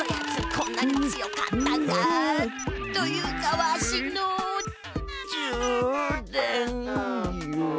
こんなに強かったか！というかわしの充電切れ。